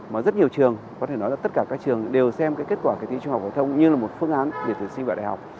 mà rất nhiều trường có thể nói là tất cả các trường đều xem cái kết quả kỳ thi trung học phổ thông như là một phương án để tuyển sinh vào đại học